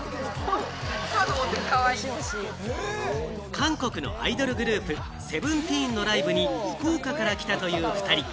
韓国のアイドルグループ・ＳＥＶＥＮＴＥＥＮのライブに福岡から来たという２人。